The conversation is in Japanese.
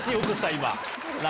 今。